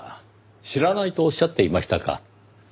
知らないとおっしゃっていましたか。